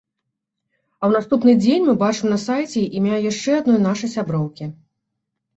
А ў наступны дзень мы бачым на сайце імя яшчэ адной нашай сяброўкі.